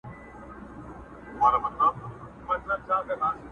څوك به ژاړي په كېږديو كي نكلونه!!